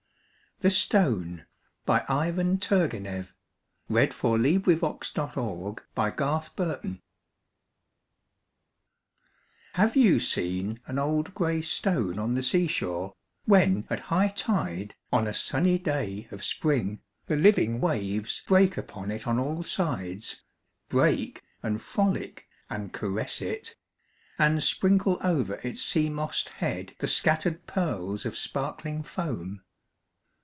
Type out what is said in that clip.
the face of Christ. Dec, 1878. 304 POEMS IN PROSE n [1879 1882] THE STONE Have you seen an old grey stone on the sea shore, when at high tide, on a sunny day of spring, the living waves break upon it on all sides — break and frolic and caress it — and sprinkle over its sea mossed head the scattered pearls of sparkling foam